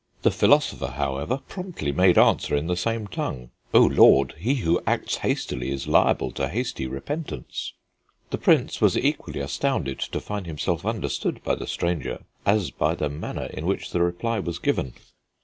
The philosopher, however, promptly made answer in the same tongue: 'Oh, Lord, he who acts hastily is liable to hasty repentance.' The Prince was equally astounded to find himself understood by the stranger as by the manner in which the reply was given.